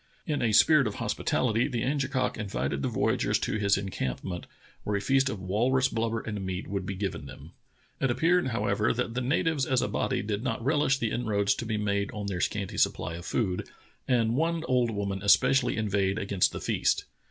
In a spirit of hospitality the Angekok invited the voyagers to his encampment. 124 True Tales of Arctic Heroism where a feast of walrus blubber and meat would be given them. It appeared, however, that the natives as a body did not relish the inroads to be made on their scanty supply of food, and one old woman especially inveighed against the feast.